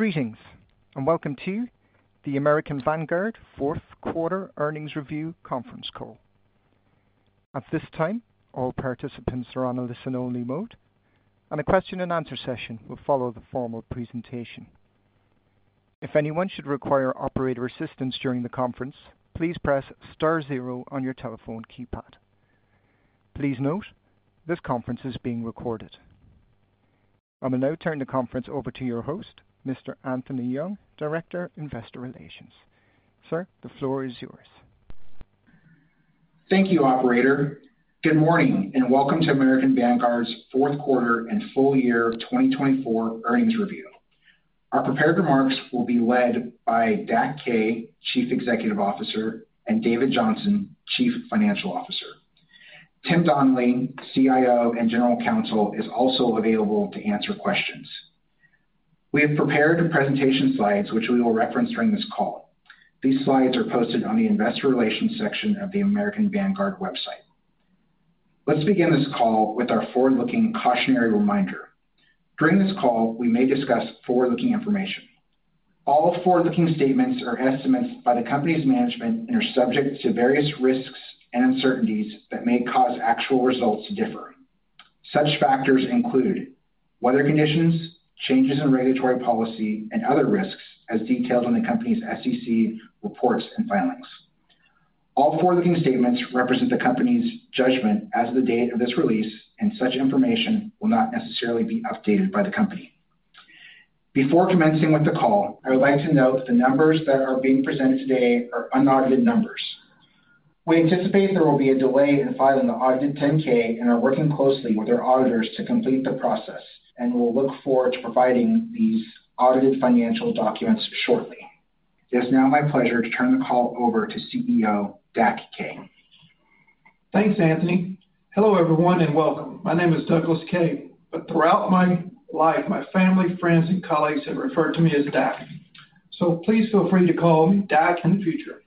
Greetings, and welcome to the American Vanguard Fourth Quarter Earnings Review Conference Call. At this time, all participants are on a listen-only mode, and the question-and-answer session will follow the formal presentation. If anyone should require operator assistance during the conference, please press star zero on your telephone keypad. Please note, this conference is being recorded. I will now turn the conference over to your host, Mr. Anthony Young, Director, Investor Relations. Sir, the floor is yours. Thank you, Operator. Good morning and welcome to American Vanguard's fourth quarter and full year 2024 earnings review. Our prepared remarks will be led by Dak Kaye, Chief Executive Officer, and David Johnson, Chief Financial Officer. Tim Donnelly, CIO and General Counsel, is also available to answer questions. We have prepared presentation slides, which we will reference during this call. These slides are posted on the Investor Relations section of the American Vanguard website. Let's begin this call with our forward-looking cautionary reminder. During this call, we may discuss forward-looking information. All forward-looking statements are estimates by the company's management and are subject to various risks and uncertainties that may cause actual results to differ. Such factors include weather conditions, changes in regulatory policy, and other risks as detailed in the company's SEC reports and filings. All forward-looking statements represent the company's judgment as of the date of this release, and such information will not necessarily be updated by the company. Before commencing with the call, I would like to note that the numbers that are being presented today are unaudited numbers. We anticipate there will be a delay in filing the audited 10-K and are working closely with our auditors to complete the process, and we'll look forward to providing these audited financial documents shortly. It is now my pleasure to turn the call over to CEO Dak Kaye. Thanks, Anthony. Hello everyone and welcome. My name is Douglas Kaye, but throughout my life, my family, friends, and colleagues have referred to me as Dak. Please feel free to call me Dak in the future.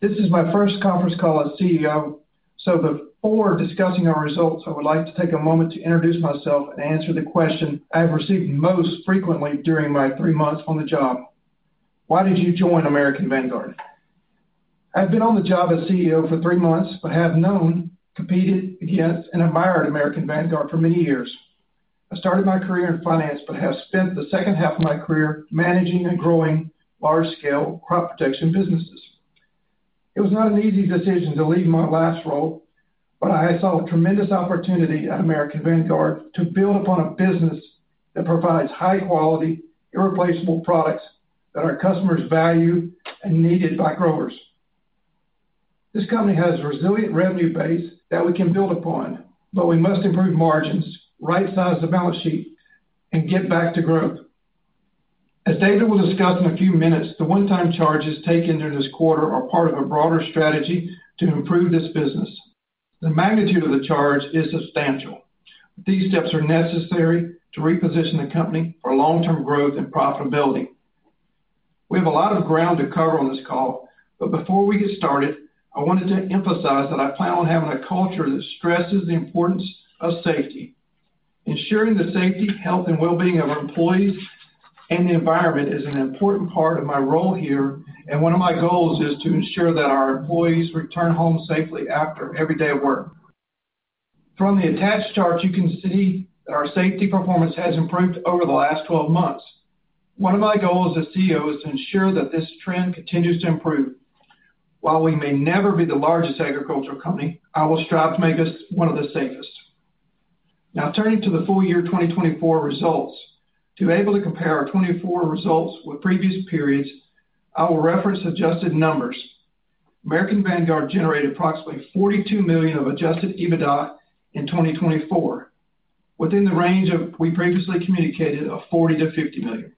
This is my first conference call as CEO. Before discussing our results, I would like to take a moment to introduce myself and answer the question I have received most frequently during my three months on the job. Why did you join American Vanguard? I have been on the job as CEO for three months but have known, competed against, and admired American Vanguard for many years. I started my career in finance but have spent the second half of my career managing and growing large-scale crop protection businesses. It was not an easy decision to leave my last role, but I saw a tremendous opportunity at American Vanguard to build upon a business that provides high-quality, irreplaceable products that our customers value and needed by growers. This company has a resilient revenue base that we can build upon, but we must improve margins, right-size the balance sheet, and get back to growth. As David will discuss in a few minutes, the one-time charges taken during this quarter are part of a broader strategy to improve this business. The magnitude of the charge is substantial. These steps are necessary to reposition the company for long-term growth and profitability. We have a lot of ground to cover on this call, but before we get started, I wanted to emphasize that I plan on having a culture that stresses the importance of safety. Ensuring the safety, health, and well-being of our employees and the environment is an important part of my role here, and one of my goals is to ensure that our employees return home safely after every day of work. From the attached chart, you can see that our safety performance has improved over the last 12 months. One of my goals as CEO is to ensure that this trend continues to improve. While we may never be the largest agricultural company, I will strive to make us one of the safest. Now, turning to the full year 2024 results, to be able to compare our 2024 results with previous periods, I will reference adjusted numbers. American Vanguard generated approximately $42 million of adjusted EBITDA in 2024, within the range we previously communicated of $40 million-$50 million.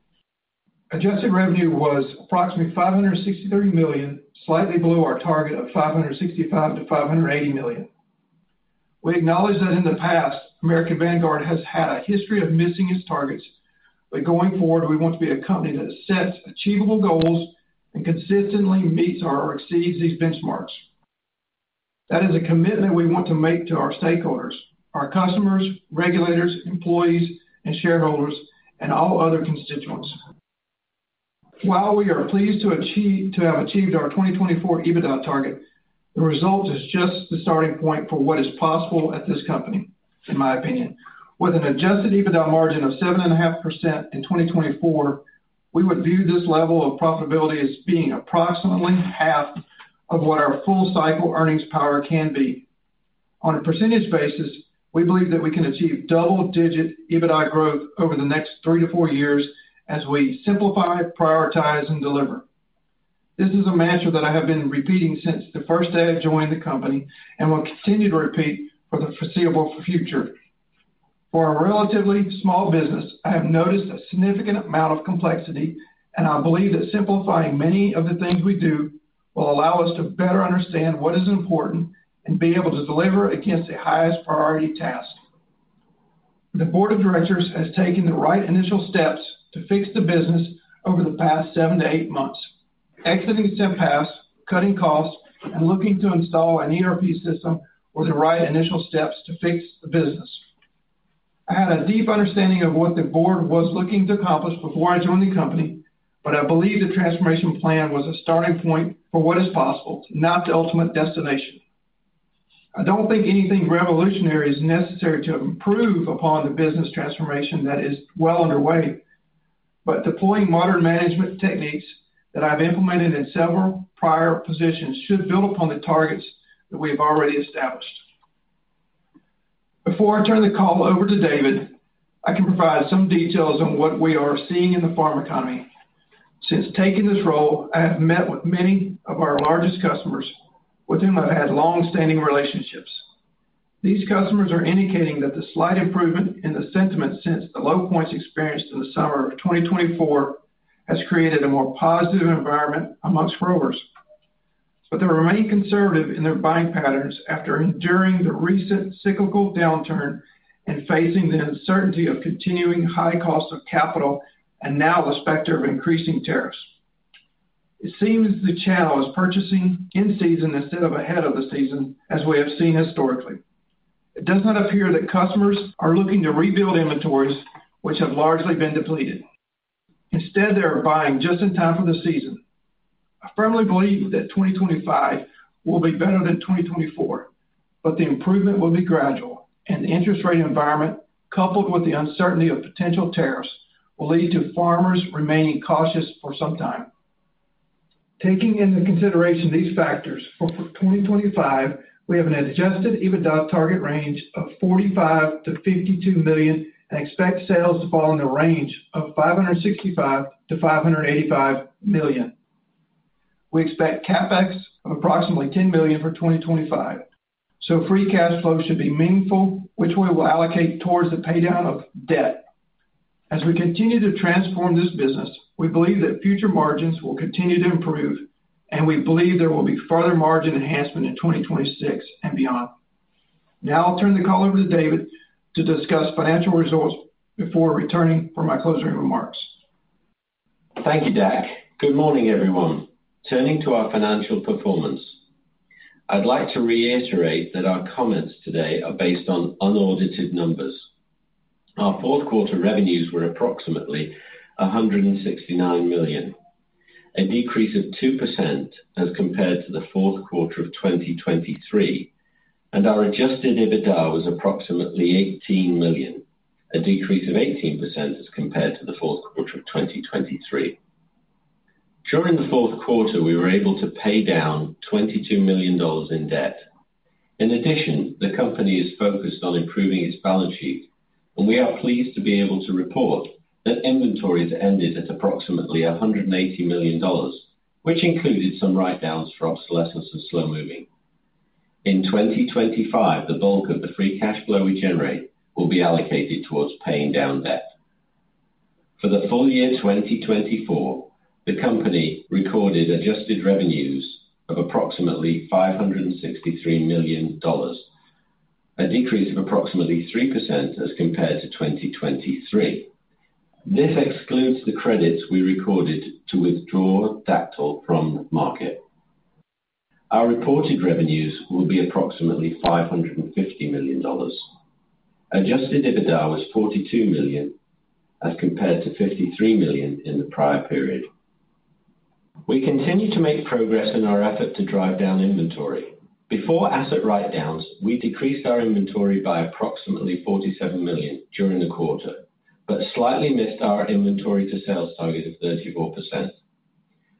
Adjusted revenue was approximately $563 million, slightly below our target of $565 million-$580 million. We acknowledge that in the past, American Vanguard has had a history of missing its targets, but going forward, we want to be a company that sets achievable goals and consistently meets or exceeds these benchmarks. That is a commitment we want to make to our stakeholders: our customers, regulators, employees, and shareholders, and all other constituents. While we are pleased to have achieved our 2024 EBITDA target, the result is just the starting point for what is possible at this company, in my opinion. With an adjusted EBITDA margin of 7.5% in 2024, we would view this level of profitability as being approximately half of what our full-cycle earnings power can be. On a % basis, we believe that we can achieve double-digit EBITDA growth over the next three to four years as we simplify, prioritize, and deliver. This is a mantra that I have been repeating since the first day I joined the company and will continue to repeat for the foreseeable future. For a relatively small business, I have noticed a significant amount of complexity, and I believe that simplifying many of the things we do will allow us to better understand what is important and be able to deliver against the highest priority task. The board of directors has taken the right initial steps to fix the business over the past seven to eight months. Exiting SIMPAS cutting costs and looking to install an ERP system were the right initial steps to fix the business. I had a deep understanding of what the board was looking to accomplish before I joined the company, but I believe the transformation plan was a starting point for what is possible, not the ultimate destination. I do not think anything revolutionary is necessary to improve upon the business transformation that is well underway, but deploying modern management techniques that I have implemented in several prior positions should build upon the targets that we have already established. Before I turn the call over to David, I can provide some details on what we are seeing in the farm economy. Since taking this role, I have met with many of our largest customers, with whom I have had long-standing relationships. These customers are indicating that the slight improvement in the sentiment since the low points experienced in the summer of 2024 has created a more positive environment amongst growers. They remain conservative in their buying patterns after enduring the recent cyclical downturn and facing the uncertainty of continuing high costs of capital and now the specter of increasing tariffs. It seems the channel is purchasing in season instead of ahead of the season, as we have seen historically. It does not appear that customers are looking to rebuild inventories, which have largely been depleted. Instead, they are buying just in time for the season. I firmly believe that 2025 will be better than 2024, but the improvement will be gradual, and the interest rate environment, coupled with the uncertainty of potential tariffs, will lead to farmers remaining cautious for some time. Taking into consideration these factors, for 2025, we have an adjusted EBITDA target range of $45 million-$52 million and expect sales to fall in the range of $565 million-$585 million. We expect CapEx of approximately $10 million for 2025, so free cash flow should be meaningful, which we will allocate towards the paydown of debt. As we continue to transform this business, we believe that future margins will continue to improve, and we believe there will be further margin enhancement in 2026 and beyond. Now I'll turn the call over to David to discuss financial results before returning for my closing remarks. Thank you, Dak. Good morning, everyone. Turning to our financial performance, I'd like to reiterate that our comments today are based on unaudited numbers. Our fourth quarter revenues were approximately $169 million, a decrease of 2% as compared to the fourth quarter of 2023, and our adjusted EBITDA was approximately $18 million, a decrease of 18% as compared to the fourth quarter of 2023. During the fourth quarter, we were able to pay down $22 million in debt. In addition, the company is focused on improving its balance sheet, and we are pleased to be able to report that inventories ended at approximately $180 million, which included some write-downs for obsolescence of slow-moving. In 2025, the bulk of the free cash flow we generate will be allocated towards paying down debt. For the full year 2024, the company recorded adjusted revenues of approximately $563 million, a decrease of approximately 3% as compared to 2023. This excludes the credits we recorded to withdraw Dacthal from the market. Our reported revenues will be approximately $550 million. Adjusted EBITDA was $42 million as compared to $53 million in the prior period. We continue to make progress in our effort to drive down inventory. Before asset write-downs, we decreased our inventory by approximately $47 million during the quarter, but slightly missed our inventory-to-sales target of 34%.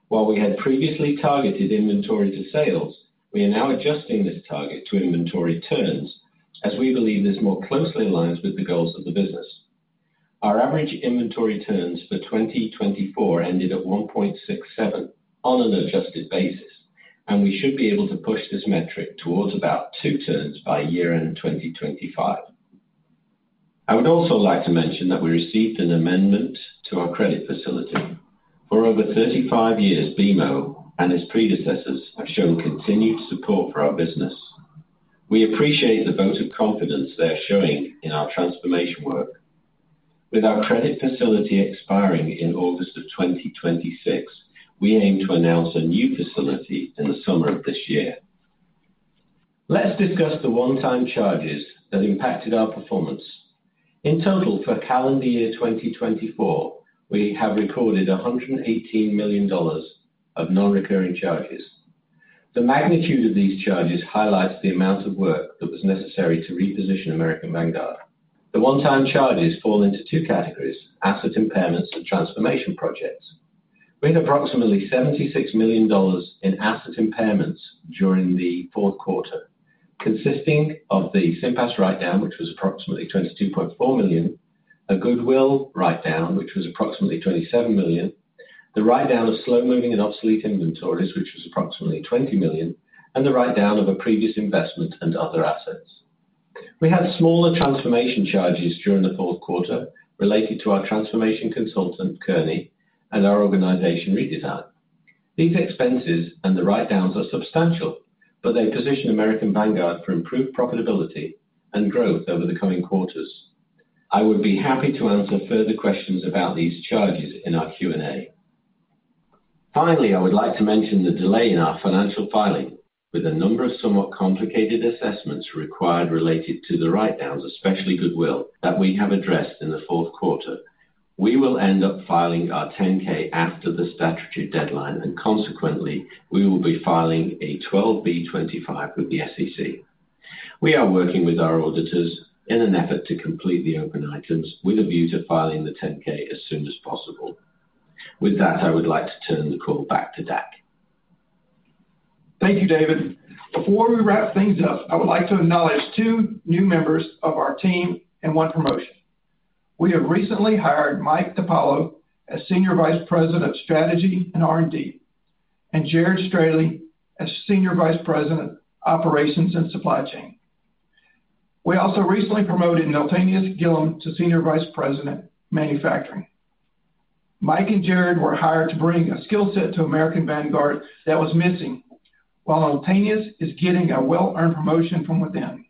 While we had previously targeted inventory-to-sales, we are now adjusting this target to inventory turns, as we believe this more closely aligns with the goals of the business. Our average inventory turns for 2024 ended at 1.67 on an adjusted basis, and we should be able to push this metric towards about two turns by year-end 2025. I would also like to mention that we received an amendment to our credit facility. For over 35 years, BMO and its predecessors have shown continued support for our business. We appreciate the vote of confidence they're showing in our transformation work. With our credit facility expiring in August of 2026, we aim to announce a new facility in the summer of this year. Let's discuss the one-time charges that impacted our performance. In total, for calendar year 2024, we have recorded $118 million of non-recurring charges. The magnitude of these charges highlights the amount of work that was necessary to reposition American Vanguard. The one-time charges fall into two categories: asset impairments and transformation projects. We had approximately $76 million in asset impairments during the fourth quarter, consisting of the SIMPAS write-down, which was approximately $22.4 million, a Goodwill write-down, which was approximately $27 million, the write-down of slow-moving and obsolete inventories, which was approximately $20 million, and the write-down of a previous investment and other assets. We had smaller transformation charges during the fourth quarter related to our transformation consultant, Kearney, and our organization redesign. These expenses and the write-downs are substantial, but they position American Vanguard for improved profitability and growth over the coming quarters. I would be happy to answer further questions about these charges in our Q&A. Finally, I would like to mention the delay in our financial filing with a number of somewhat complicated assessments required related to the write-downs, especially Goodwill, that we have addressed in the fourth quarter. We will end up filing our 10-K after the statutory deadline, and consequently, we will be filing a 12B-25 with the SEC. We are working with our auditors in an effort to complete the open items with a view to filing the 10-K as soon as possible. With that, I would like to turn the call back to Dak. Thank you, David. Before we wrap things up, I would like to acknowledge two new members of our team and one promotion. We have recently hired Mike DiPaola as Senior Vice President of Strategy and R&D and Jared Straley as Senior Vice President of Operations and Supply Chain. We also recently promoted Nolteanous Gilliam to Senior Vice President of Manufacturing. Mike and Jared were hired to bring a skill set to American Vanguard that was missing, while Nolteanous is getting a well-earned promotion from within.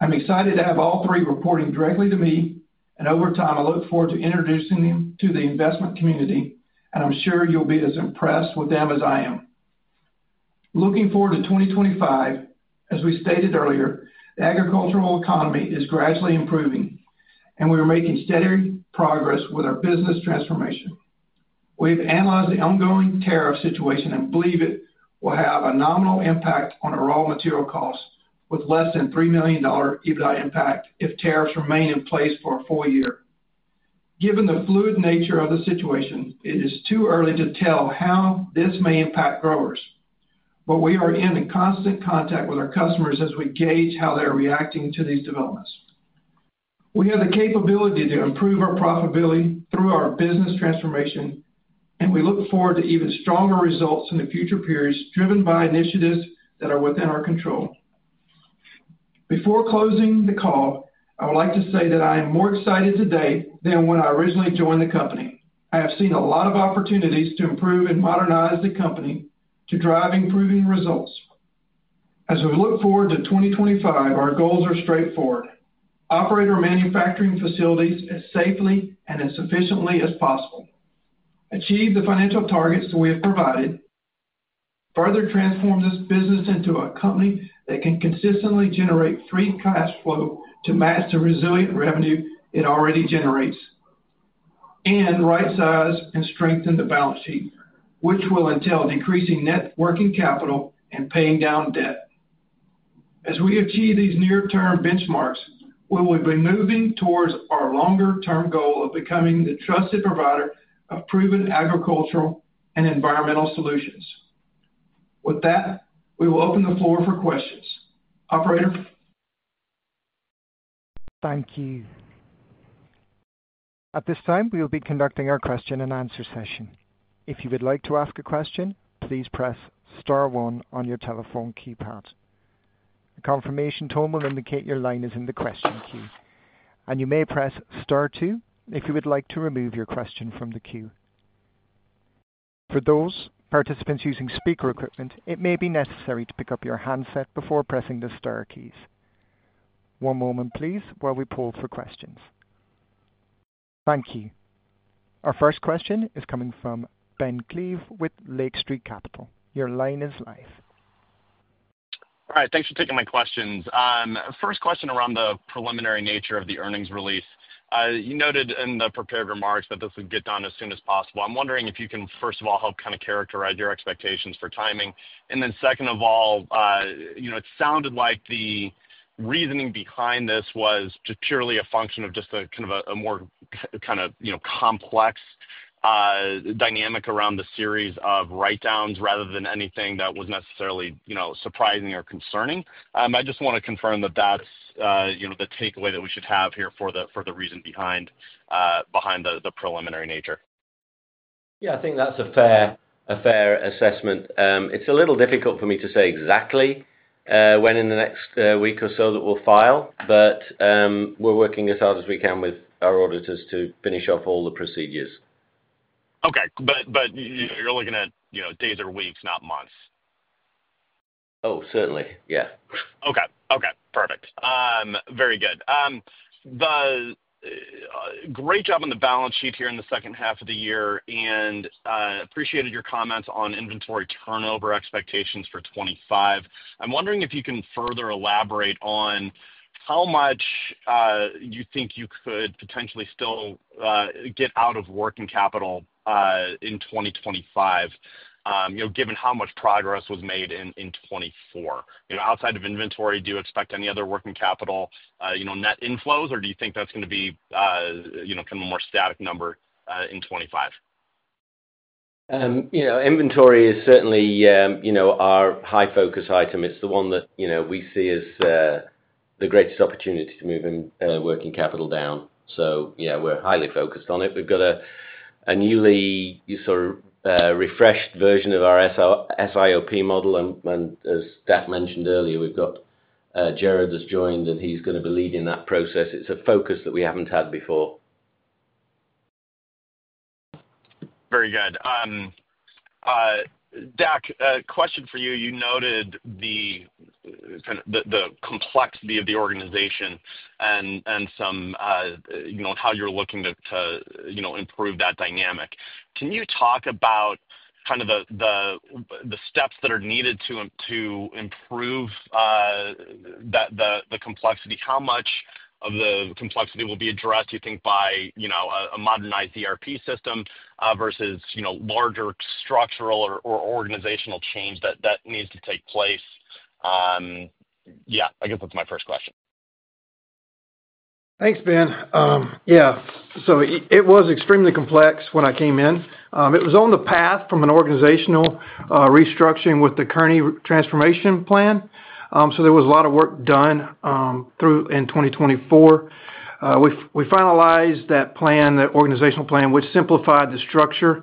I'm excited to have all three reporting directly to me, and over time, I look forward to introducing them to the investment community, and I'm sure you'll be as impressed with them as I am. Looking forward to 2025, as we stated earlier, the agricultural economy is gradually improving, and we are making steady progress with our business transformation. We've analyzed the ongoing tariff situation and believe it will have a nominal impact on our raw material costs with less than $3 million EBITDA impact if tariffs remain in place for a full year. Given the fluid nature of the situation, it is too early to tell how this may impact growers, but we are in constant contact with our customers as we gauge how they're reacting to these developments. We have the capability to improve our profitability through our business transformation, and we look forward to even stronger results in the future periods driven by initiatives that are within our control. Before closing the call, I would like to say that I am more excited today than when I originally joined the company. I have seen a lot of opportunities to improve and modernize the company to drive improving results. As we look forward to 2025, our goals are straightforward: operate our manufacturing facilities as safely and as efficiently as possible, achieve the financial targets we have provided, further transform this business into a company that can consistently generate free cash flow to match the resilient revenue it already generates, and right-size and strengthen the balance sheet, which will entail decreasing net working capital and paying down debt. As we achieve these near-term benchmarks, we will be moving towards our longer-term goal of becoming the trusted provider of proven agricultural and environmental solutions. With that, we will open the floor for questions. Operator. Thank you. At this time, we will be conducting our question-and-answer session. If you would like to ask a question, please press Star one on your telephone keypad. A confirmation tone will indicate your line is in the question queue, and you may press Star two if you would like to remove your question from the queue. For those participants using speaker equipment, it may be necessary to pick up your handset before pressing the Star keys. One moment, please, while we poll for questions. Thank you. Our first question is coming from Ben Klieve with Lake Street Capital. Your line is live. All right. Thanks for taking my questions. First question around the preliminary nature of the earnings release. You noted in the prepared remarks that this would get done as soon as possible. I'm wondering if you can, first of all, help kind of characterize your expectations for timing. Second of all, it sounded like the reasoning behind this was just purely a function of just a kind of a more kind of complex dynamic around the series of write-downs rather than anything that was necessarily surprising or concerning. I just want to confirm that that's the takeaway that we should have here for the reason behind the preliminary nature. Yeah, I think that's a fair assessment. It's a little difficult for me to say exactly when in the next week or so that we'll file, but we're working as hard as we can with our auditors to finish off all the procedures. Okay. But you're looking at days or weeks, not months? Oh, certainly. Yeah. Okay. Okay. Perfect. Very good. Great job on the balance sheet here in the second half of the year, and appreciated your comments on inventory turnover expectations for 2025. I'm wondering if you can further elaborate on how much you think you could potentially still get out of working capital in 2025, given how much progress was made in 2024. Outside of inventory, do you expect any other working capital net inflows, or do you think that's going to be kind of a more static number in 2025? Inventory is certainly our high-focus item. It is the one that we see as the greatest opportunity to move working capital down. Yeah, we are highly focused on it. We have got a newly sort of refreshed version of our SIOP model, and as Dak mentioned earlier, Jared has joined, and he is going to be leading that process. It is a focus that we have not had before. Very good. Dak, a question for you. You noted the complexity of the organization and how you're looking to improve that dynamic. Can you talk about kind of the steps that are needed to improve the complexity? How much of the complexity will be addressed, you think, by a modernized ERP system versus larger structural or organizational change that needs to take place? Yeah, I guess that's my first question. Thanks, Ben. Yeah. It was extremely complex when I came in. It was on the path from an organizational restructuring with the Kearney transformation plan. There was a lot of work done in 2024. We finalized that organizational plan, which simplified the structure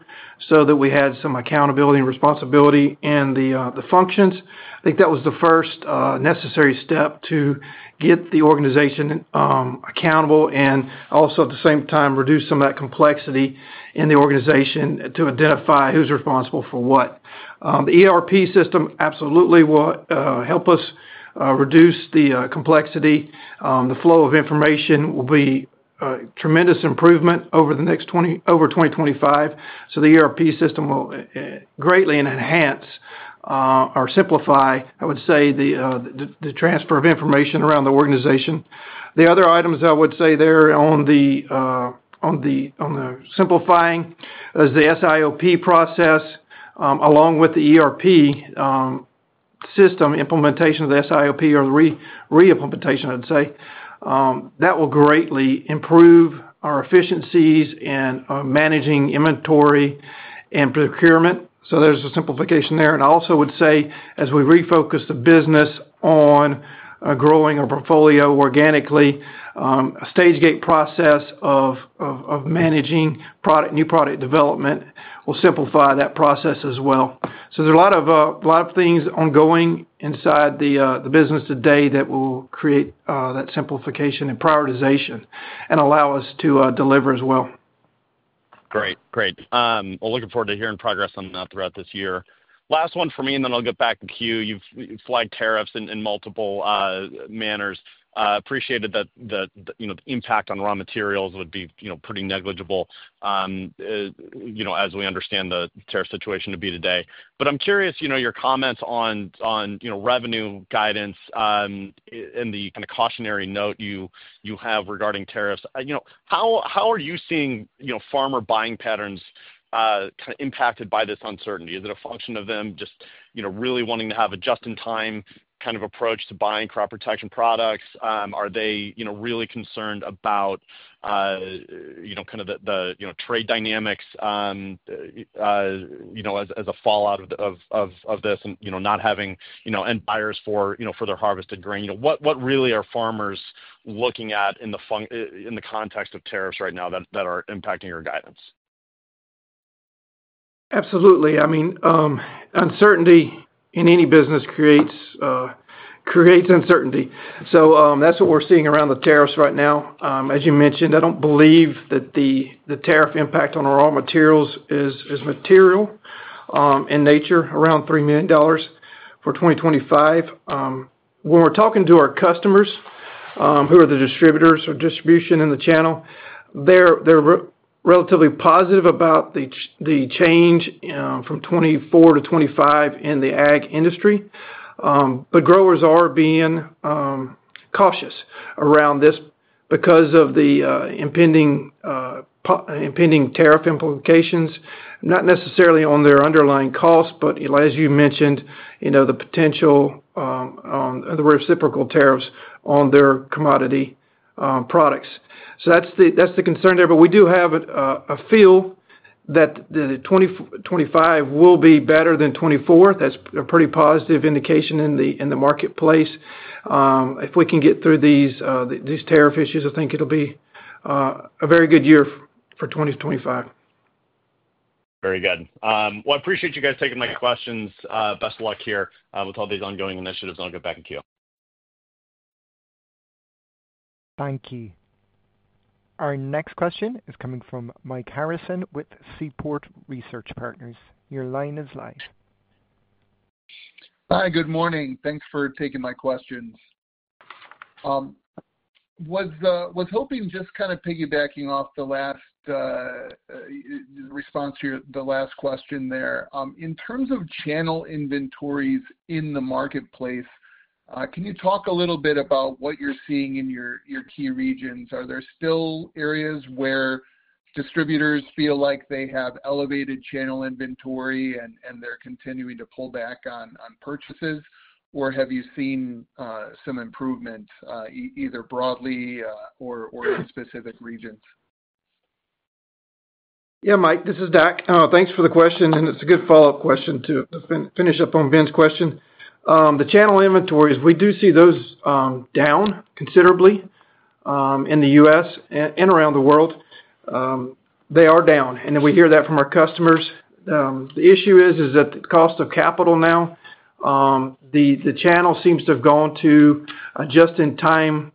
so that we had some accountability and responsibility in the functions. I think that was the first necessary step to get the organization accountable and also, at the same time, reduce some of that complexity in the organization to identify who's responsible for what. The ERP system absolutely will help us reduce the complexity. The flow of information will be a tremendous improvement over 2025. The ERP system will greatly enhance or simplify, I would say, the transfer of information around the organization. The other items I would say there on the simplifying is the SIOP process, along with the ERP system, implementation of the SIOP or the re-implementation, I'd say. That will greatly improve our efficiencies in managing inventory and procurement. There is a simplification there. I also would say, as we refocus the business on growing our portfolio organically, a Stage-Gate process of managing new product development will simplify that process as well. There are a lot of things ongoing inside the business today that will create that simplification and prioritization and allow us to deliver as well. Great. Great. Looking forward to hearing progress on that throughout this year. Last one for me, and then I'll get back to queue. You've flagged tariffs in multiple manners. Appreciated that the impact on raw materials would be pretty negligible as we understand the tariff situation to be today. I'm curious, your comments on revenue guidance and the kind of cautionary note you have regarding tariffs. How are you seeing farmer buying patterns kind of impacted by this uncertainty? Is it a function of them just really wanting to have a just-in-time kind of approach to buying crop protection products? Are they really concerned about kind of the trade dynamics as a fallout of this and not having end buyers for their harvested grain? What really are farmers looking at in the context of tariffs right now that are impacting your guidance? Absolutely. I mean, uncertainty in any business creates uncertainty. That is what we are seeing around the tariffs right now. As you mentioned, I do not believe that the tariff impact on our raw materials is material in nature, around $3 million for 2025. When we are talking to our customers who are the distributors or distribution in the channel, they are relatively positive about the change from 2024 to 2025 in the ag industry. Growers are being cautious around this because of the impending tariff implications, not necessarily on their underlying costs, as you mentioned, the potential reciprocal tariffs on their commodity products. That is the concern there. We do have a feel that 2025 will be better than 2024. That is a pretty positive indication in the marketplace. If we can get through these tariff issues, I think it will be a very good year for 2025. Very good. I appreciate you guys taking my questions. Best of luck here with all these ongoing initiatives. I'll get back to queue. Thank you. Our next question is coming from Mike Harrison with Seaport Research Partners. Your line is live. Hi. Good morning. Thanks for taking my questions. Was hoping just kind of piggybacking off the last response to the last question there. In terms of channel inventories in the marketplace, can you talk a little bit about what you're seeing in your key regions? Are there still areas where distributors feel like they have elevated channel inventory and they're continuing to pull back on purchases, or have you seen some improvement either broadly or in specific regions? Yeah, Mike, this is Dak. Thanks for the question. It's a good follow-up question to finish up on Ben's question. The channel inventories, we do see those down considerably in the U.S. and around the world. They are down. We hear that from our customers. The issue is that the cost of capital now, the channel seems to have gone to just-in-time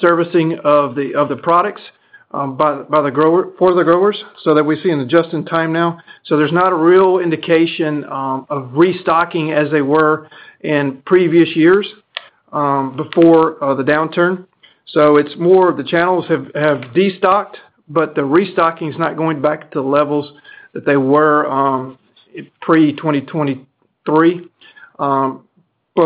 servicing of the products for the growers so that we see an adjustment time now. There's not a real indication of restocking as they were in previous years before the downturn. It's more of the channels have destocked, but the restocking is not going back to the levels that they were pre-2023.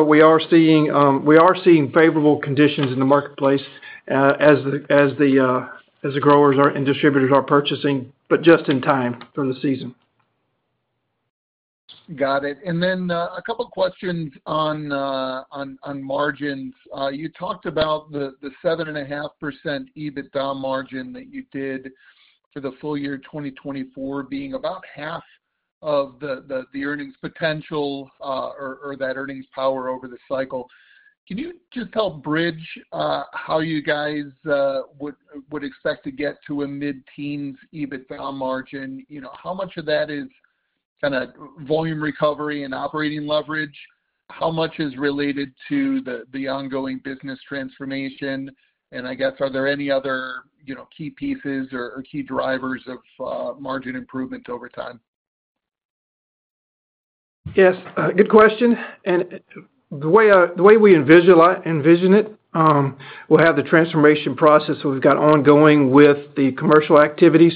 We are seeing favorable conditions in the marketplace as the growers and distributors are purchasing, but just-in-time for the season. Got it. A couple of questions on margins. You talked about the 7.5% EBITDA margin that you did for the full year 2024 being about half of the earnings potential or that earnings power over the cycle. Can you just help bridge how you guys would expect to get to a mid-teens EBITDA margin? How much of that is kind of volume recovery and operating leverage? How much is related to the ongoing business transformation? I guess, are there any other key pieces or key drivers of margin improvement over time? Yes. Good question. The way we envision it, we'll have the transformation process we've got ongoing with the commercial activities.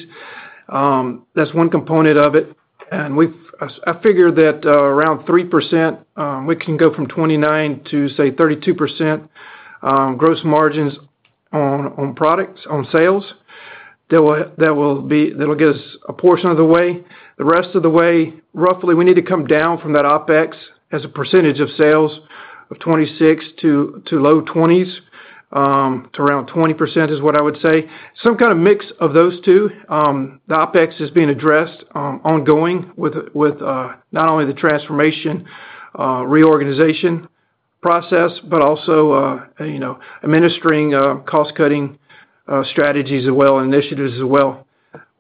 That's one component of it. I figure that around 3%, we can go from 29% to, say, 32% gross margins on products, on sales. That will get us a portion of the way. The rest of the way, roughly, we need to come down from that OpEx as a percentage of sales of 26% to low 20s to around 20% is what I would say. Some kind of mix of those two. The OpEx is being addressed ongoing with not only the transformation reorganization process, but also administering cost-cutting strategies and initiatives as well.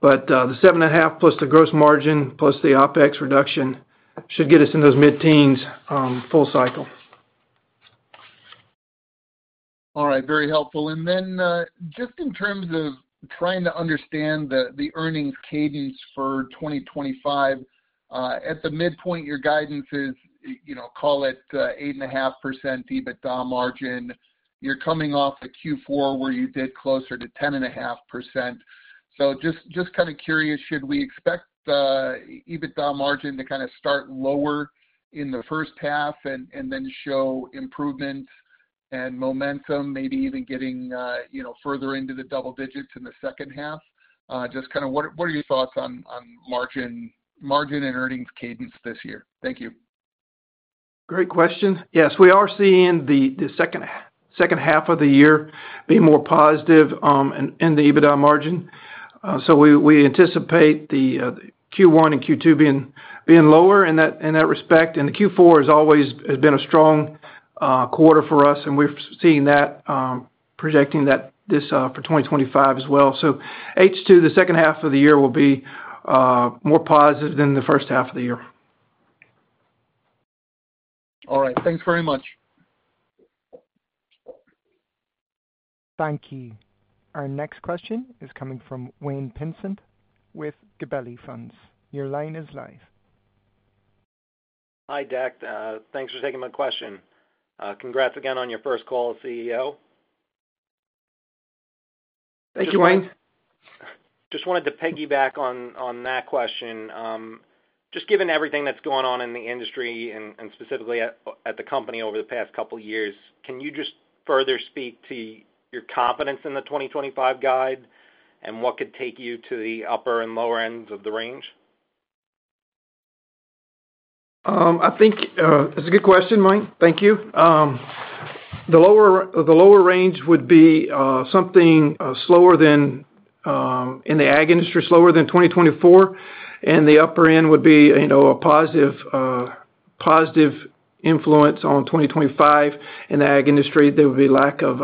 The 7.5 plus the gross margin plus the OpEx reduction should get us in those mid-teens full cycle. All right. Very helpful. Then just in terms of trying to understand the earnings cadence for 2025, at the midpoint, your guidance is, call it 8.5% EBITDA margin. You're coming off of Q4 where you did closer to 10.5%. Just kind of curious, should we expect the EBITDA margin to kind of start lower in the first half and then show improvement and momentum, maybe even getting further into the double digits in the second half? Just kind of what are your thoughts on margin and earnings cadence this year? Thank you. Great question. Yes, we are seeing the second half of the year be more positive in the EBITDA margin. We anticipate the Q1 and Q2 being lower in that respect. The Q4 has always been a strong quarter for us, and we are seeing that projecting this for 2025 as well. H2, the second half of the year, will be more positive than the first half of the year. All right. Thanks very much. Thank you. Our next question is coming from Wayne Pinsent with Gabelli Funds. Your line is live. Hi, Dak. Thanks for taking my question. Congrats again on your first call, CEO. Thank you, Wayne. Just wanted to piggyback on that question. Just given everything that's going on in the industry and specifically at the company over the past couple of years, can you just further speak to your confidence in the 2025 guide and what could take you to the upper and lower ends of the range? I think that's a good question, Mike. Thank you. The lower range would be something slower than in the ag industry, slower than 2024. The upper end would be a positive influence on 2025 in the ag industry. There would be lack of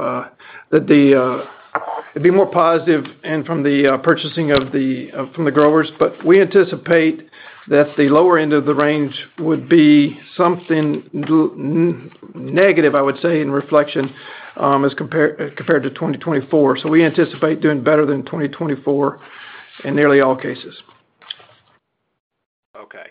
that, it'd be more positive from the purchasing from the growers. We anticipate that the lower end of the range would be something negative, I would say, in reflection as compared to 2024. We anticipate doing better than 2024 in nearly all cases. Okay.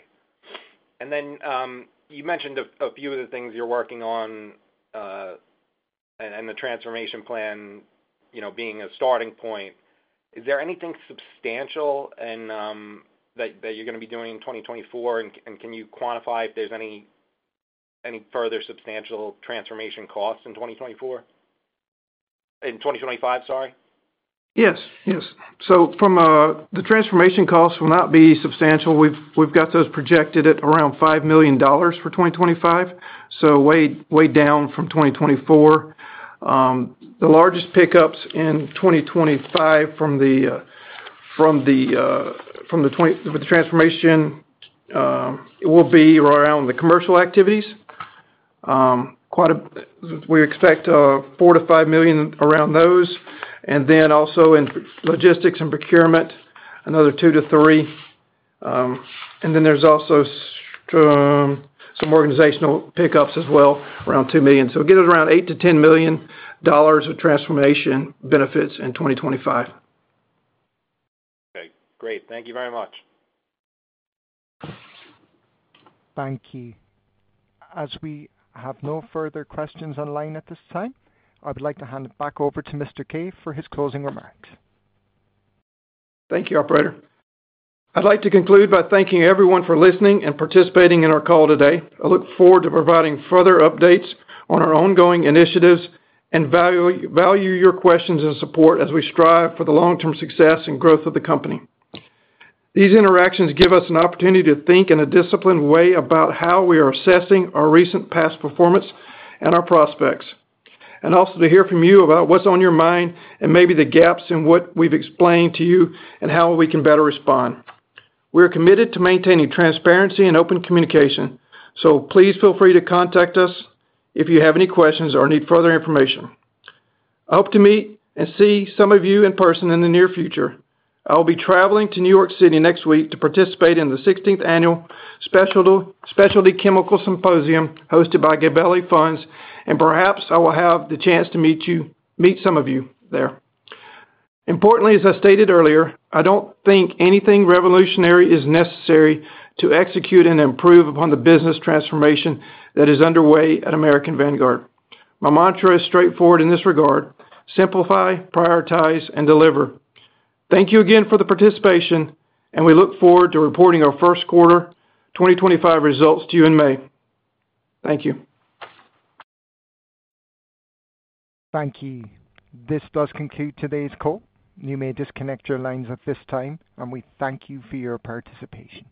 You mentioned a few of the things you're working on and the transformation plan being a starting point. Is there anything substantial that you're going to be doing in 2024? Can you quantify if there's any further substantial transformation costs in 2024? In 2025, sorry. Yes. Yes. The transformation costs will not be substantial. We've got those projected at around $5 million for 2025. Way down from 2024. The largest pickups in 2025 from the transformation will be around the commercial activities. We expect $4 million-$5 million around those. Also in logistics and procurement, another $2 million-$3 million. There are also some organizational pickups as well around $2 million. It gives us around $8 million-$10 million of transformation benefits in 2025. Okay. Great. Thank you very much. Thank you. As we have no further questions online at this time, I'd like to hand it back over to Mr. Kaye for his closing remarks. Thank you, Operator. I'd like to conclude by thanking everyone for listening and participating in our call today. I look forward to providing further updates on our ongoing initiatives and value your questions and support as we strive for the long-term success and growth of the company. These interactions give us an opportunity to think in a disciplined way about how we are assessing our recent past performance and our prospects. Also, to hear from you about what's on your mind and maybe the gaps in what we've explained to you and how we can better respond. We are committed to maintaining transparency and open communication. Please feel free to contact us if you have any questions or need further information. I hope to meet and see some of you in person in the near future. I will be traveling to New York City next week to participate in the 16th Annual Specialty Chemical Symposium hosted by Gabelli Funds. Perhaps I will have the chance to meet some of you there. Importantly, as I stated earlier, I do not think anything revolutionary is necessary to execute and improve upon the business transformation that is underway at American Vanguard. My mantra is straightforward in this regard: simplify, prioritize, and deliver. Thank you again for the participation, and we look forward to reporting our first quarter 2025 results to you in May. Thank you. Thank you. This does conclude today's call. You may disconnect your lines at this time, and we thank you for your participation.